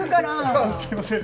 あぁすいません。